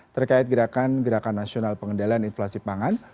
terkait gerakan gerakan nasional pengendalian inflasi pangan